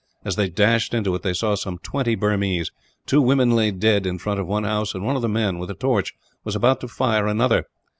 As they dashed into it, they saw some twenty Burmese. Two women lay dead, in front of one house; and one of the men, with a torch, was about to fire another.